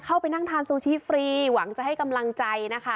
เข้าไปนั่งทานซูชิฟรีหวังจะให้กำลังใจนะคะ